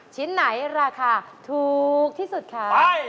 ชิ้นไหนราคาถูกที่สุดคะ